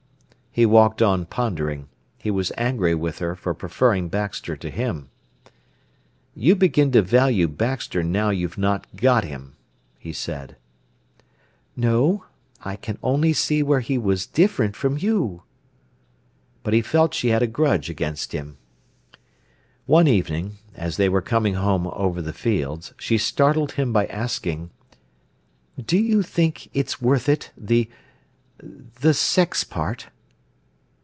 He walked on pondering. He was angry with her for preferring Baxter to him. "You begin to value Baxter now you've not got him," he said. "No; I can only see where he was different from you." But he felt she had a grudge against him. One evening, as they were coming home over the fields, she startled him by asking: "Do you think it's worth it—the—the sex part?"